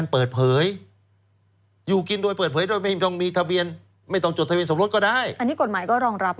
อันนี้กฎหมายก็รองรับเหรอครับ